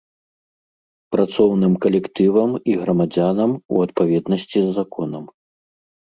Працоўным калектывам і грамадзянам у адпаведнасці з законам.